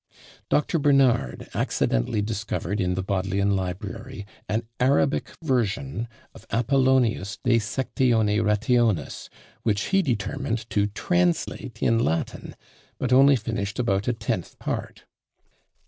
Dr. Bernard accidentally discovered in the Bodleian Library an Arabic version of Apollonius de Sectione Rationis, which he determined to translate in Latin, but only finished about a tenth part.